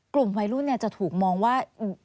กลุ่มวัยรุ่นจะถูกมองว่า